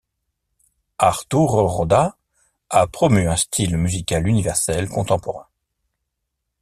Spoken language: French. Arturo Rodas a promu un style musical universel contemporain.